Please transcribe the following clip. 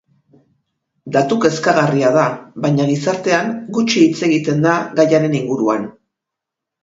Datu kezkagarria da, baina gizartean gutxi hitz egiten da gaiaren inguruan.